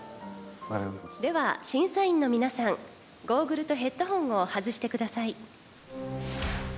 では審査員の皆さんゴーグルとヘッドホンを外してください。